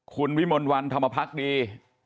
คุณวิมลวันธรรมพักดี